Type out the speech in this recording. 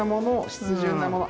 湿潤なもの